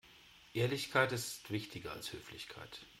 Ehrlichkeit ist wichtiger als Höflichkeit.